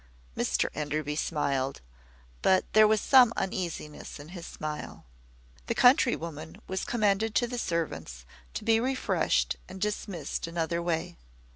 Mr Enderby smiled; but there was some uneasiness in his smile. The countrywoman was commended to the servants, to be refreshed, and dismissed another way.